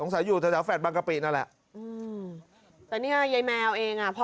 สีง่วงครับม่วง